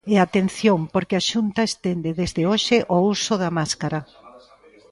E atención porque a Xunta estende desde hoxe o uso da máscara.